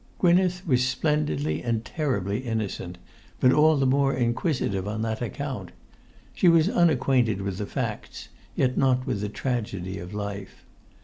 Gwynneth was splendidly and terribly innocent, but all the more inquisitive on that account. She was unacquainted with the facts, yet not with the tragedy of life.